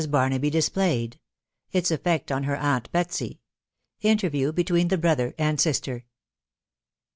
BARNABY DISPLAYED. ITS EFFECT ON HE* AUNT BETSY. —INTERVIEW BETWEEN THE BROTHER AND SISTER.